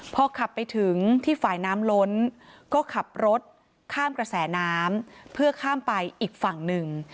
พอขับไปถึงที่ฝ่ายน้ำล้นก็ขับรถข้ามกระแสน้ำเพื่อข้ามไปอีกฝั่งหนึ่ง